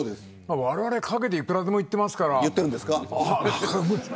われわれ陰でいくらでも言っていますから。